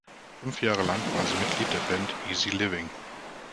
Fünf Jahre lang war sie Mitglied der Band "Easy Living".